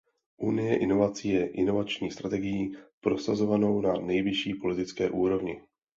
Unie inovací je inovační strategií prosazovanou na nejvyšší politické úrovni.